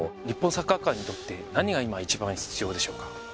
日本サッカー界にとって何が今いちばん必要でしょうか？